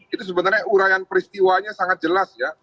itu sebenarnya urayan peristiwanya sangat jelas ya